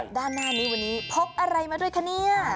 ด้านหน้านี้วันนี้พกอะไรมาด้วยคะเนี่ย